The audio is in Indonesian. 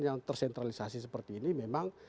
yang tersentralisasi seperti ini memang